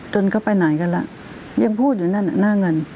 จนก็ไปไหนกันแล้วยังพูดอยู่หน้าเงิน